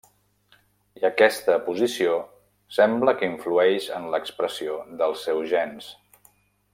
I aquesta posició sembla que influeix en l'expressió dels seus gens.